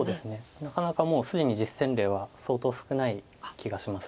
なかなかもう既に実戦例は相当少ない気がします。